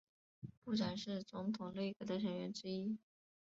部长是总统内阁的成员之一。